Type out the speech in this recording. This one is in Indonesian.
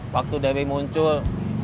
waktu dewi muncul